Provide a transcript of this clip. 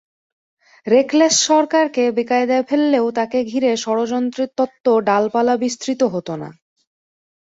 Reckless সরকারকে বেকায়দায় ফেললেও তাঁকে ঘিরে ষড়যন্ত্রের তত্ত্ব ডালপালা বিস্তৃত হতো না।